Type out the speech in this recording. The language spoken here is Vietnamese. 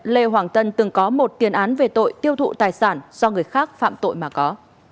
lê hoàng tân từng có một tiền án về tội tiêu thụ tài sản do người khác phạm tội mà có